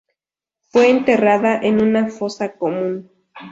Fue enterrada en una fosa común.